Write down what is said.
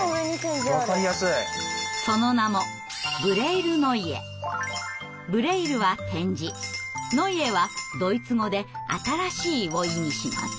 その名もブレイルは点字ノイエはドイツ語で新しいを意味します。